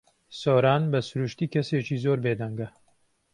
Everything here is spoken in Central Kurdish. سۆران بە سروشتی کەسێکی زۆر بێدەنگە.